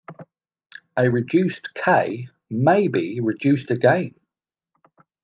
A reduced "K" may be reduced again.